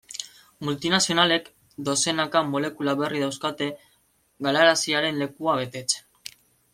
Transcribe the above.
Multinazionalek dozenaka molekula berri dauzkate galaraziaren lekua betetzen.